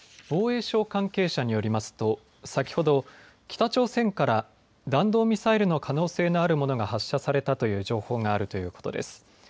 防衛省関係者によりますと先ほど北朝鮮から弾道ミサイルの可能性のあるものが発射されたという情報があるということです。